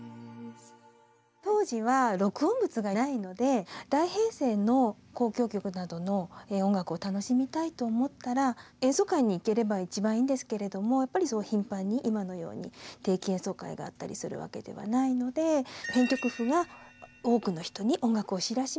当時は録音物がないので大編成の交響曲などの音楽を楽しみたいと思ったら演奏会に行ければ一番いいんですけれどもやっぱりそう頻繁に今のように定期演奏会があったりするわけではないのでへえ。